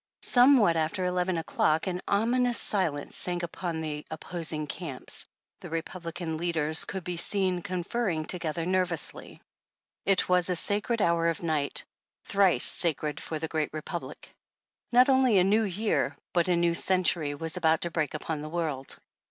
Somewhat after eleven o'clock, an ominous silence sank upon the opposing camps, the Republican leaders could be seen conferring together nervously. It was a sacred hour of night, thrice sacred for the great Republic. Not only a New Year, but a New Century was about to break upon the world.